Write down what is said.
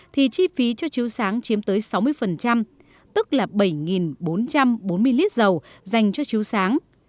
thì chi phí cho chiếu sáng chiếm tới sáu mươi tức là bảy bốn trăm bốn mươi lít dầu dành cho chiếu sáng